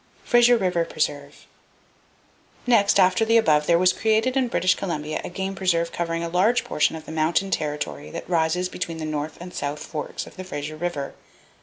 Frazer River Preserve.—Next after the above there was created in British Columbia a game preserve covering a large portion of the mountain territory that rises between the North and South Forks of the Fraser River.